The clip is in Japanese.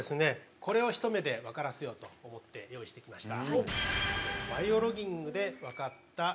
これをひと目でわからせようと思って用意して来ました。